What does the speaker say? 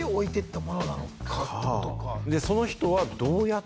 その人は。